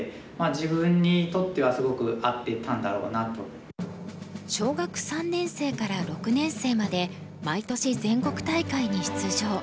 でも何か小学３年生から６年生まで毎年全国大会に出場。